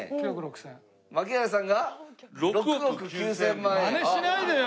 槙原さんが６億９０００万円。